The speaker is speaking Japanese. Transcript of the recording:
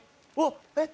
えっ？